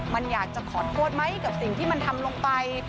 มันอยากจะขอโทษไหมกับสิ่งที่มันทำลงไป